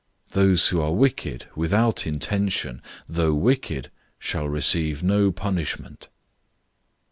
Those who are wicked without intention, though wicked, shall receive no punishment."